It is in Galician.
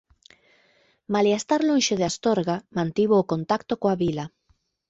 Malia estar lonxe de Astorga mantivo o contacto coa vila.